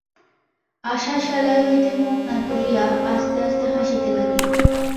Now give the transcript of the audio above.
আশা সেলাই হইতে মুখ না তুলিয়া আস্তে আস্তে হাসিতে লাগিল।